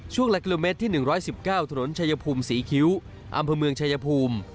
หลักกิโลเมตรที่๑๑๙ถนนชายภูมิศรีคิ้วอำเภอเมืองชายภูมิ